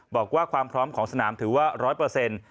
บอกว่าความพร้อมของสนามถือว่าร้อยเปอร์เซ็นต์